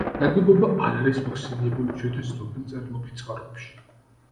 ნაგებობა არ არის მოხსენიებული ჩვენთვის ცნობილ წერილობით წყაროებში.